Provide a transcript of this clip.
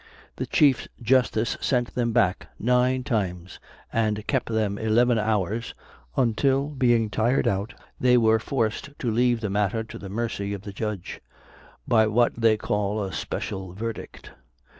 The Chief Justice sent them back nine times, and kept them eleven hours, until, being tired out, they were forced to leave the matter to the mercy of the judge, by what they call a special verdict.